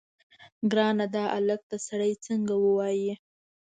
ګرانه دا الک ته سړی څنګه ووايي.